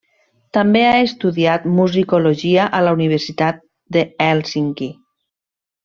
També ha estudiat musicologia a la Universitat de Hèlsinki.